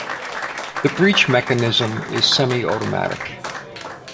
The breech mechanism is semi-automatic.